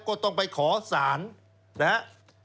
ก็ต้องไปขอสารนะฮะ